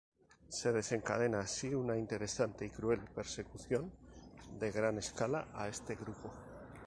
Se desencadena, así, una incesante y cruel persecución de gran escala a este grupo.